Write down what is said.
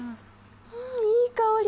んいい香り！